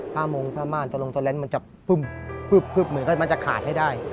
ถ้ามงถ้าม่านตรงตะเล้นมันจะปึ้มปึ๊บเหมือนกันมันจะขาดให้ได้